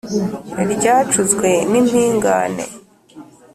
Ryacuzwe n'impingane.